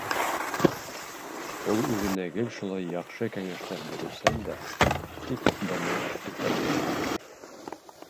Ул үҙенә гел шулай яҡшы кәңәштәр биреүсән дә, тик быны үтәп кенә бармай.